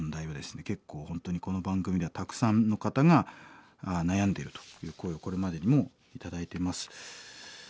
結構本当にこの番組ではたくさんの方が悩んでいるという声をこれまでにも頂いてます。